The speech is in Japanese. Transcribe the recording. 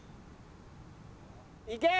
いけ！